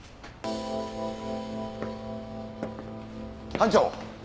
班長！